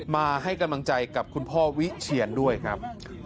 มาให้กำลังใจกับคุณพ่อวิเชียนด้วยครับ